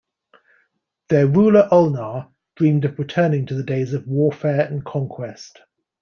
Their ruler Olnar dreamed of returning to the days of warfare and conquest.